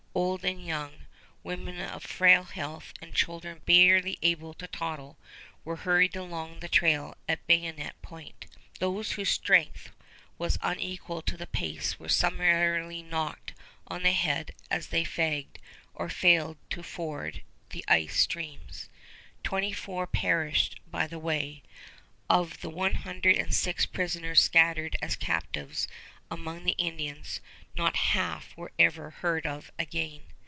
Old and young, women of frail health and children barely able to toddle, were hurried along the trail at bayonet point. Those whose strength was unequal to the pace were summarily knocked on the head as they fagged, or failed to ford the ice streams. Twenty four perished by the way. Of the one hundred and six prisoners scattered as captives among the Indians, not half were ever heard of again.